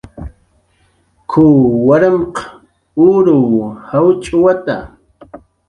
"K""uw warmq uruw jawchwata "